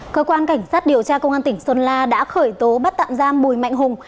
cơ quan cảnh sát điều tra công an tỉnh sơn la đã khởi tố bắt tạm giam bùi mạnh hùng